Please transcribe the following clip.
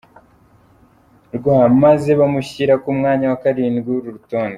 rw maze bamushyira ku mwanya wa karindwi w’uru rutonde.